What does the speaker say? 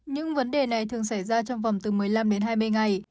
những vấn đề này thường xảy ra trong vòng từ một mươi năm đến hai mươi ngày